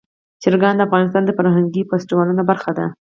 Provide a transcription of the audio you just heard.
چرګان د افغانستان د فرهنګي فستیوالونو برخه ده.